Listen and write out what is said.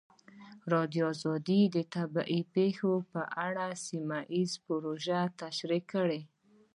ازادي راډیو د طبیعي پېښې په اړه سیمه ییزې پروژې تشریح کړې.